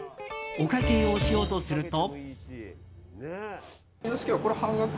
お会計をしようとすると。